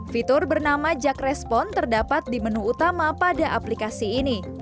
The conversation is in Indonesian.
fitur bernama jak respon terdapat di menu utama pada aplikasi ini